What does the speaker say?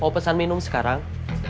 mau pesan minum sekarang